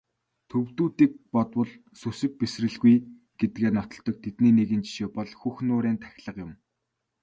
Төвөдүүдийг бодвол сүсэг бишрэлгүй гэдгээ нотолдог тэдний нэгэн жишээ бол Хөх нуурын тахилга юм.